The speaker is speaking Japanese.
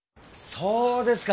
そうですか。